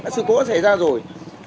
sự tố đã xảy ra rồi